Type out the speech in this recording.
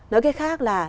nói cái khác là